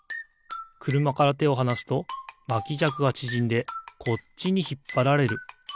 くるまからてをはなすとまきじゃくがちぢんでこっちにひっぱられる。